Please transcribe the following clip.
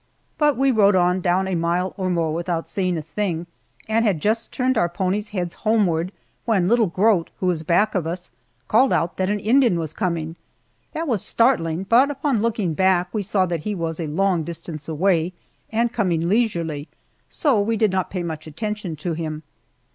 But we rode on down a mile or more without seeing a thing, and had just turned our ponies' heads homeward when little Grote, who was back of us, called out that an Indian was coming. That was startling, but upon looking back we saw that he was a long distance away and coming leisurely, so we did not pay much attention to him.